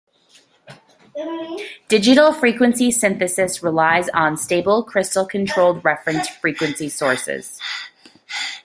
Digital frequency synthesis relies on stable crystal controlled reference frequency sources.